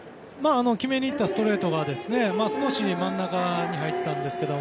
決めにいったストレートが少し真ん中に入ったんですけど。